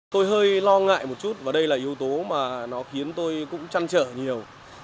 tôi hơi lo ngại một chút và đây là yếu tố mà nó khiến tôi cũng chăn trở nhiều